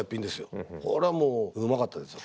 これはもううまかったですよ。